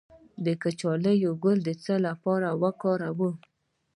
د کچالو ګل د څه لپاره وکاروم؟